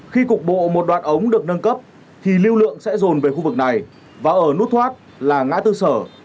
khi cục bộ một đoạn ống được nâng cấp thì lưu lượng sẽ rồn về khu vực này và ở nút thoát là ngã tư sở